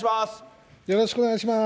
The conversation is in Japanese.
よろしくお願いします。